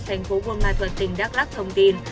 thành phố buôn ma thuật tỉnh đắk lắc thông tin